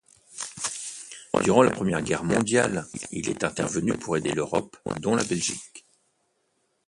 Durant la Première Guerre mondiale, il est intervenu pour aider l'Europe, dont la Belgique.